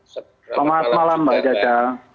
selamat malam mbak jada